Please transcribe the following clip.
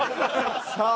さあ